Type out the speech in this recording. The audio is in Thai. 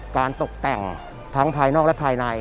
ตกแต่งทั้งภายนอกและภายใน